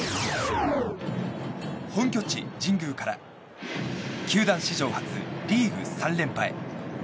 本拠地・神宮から球団史上初リーグ３連覇へ。